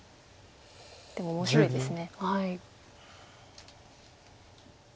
でも面白いです。